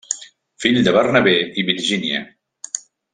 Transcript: Fill de Bernabé i Virgínia.